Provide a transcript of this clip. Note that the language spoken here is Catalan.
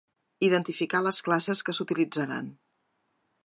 Identificar les classes que s'utilitzaran.